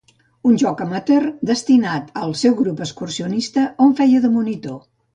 Un joc amateur destinat al seu grup excursionista on feia de monitor.